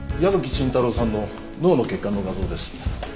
矢吹伸太郎さんの脳の血管の画像です。